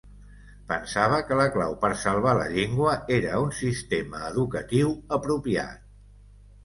Pensava que la clau per salvar la llengua era un sistema educatiu apropiat.